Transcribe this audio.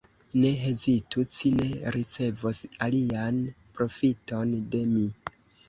Ne hezitu, ci ne ricevos alian profiton de mi!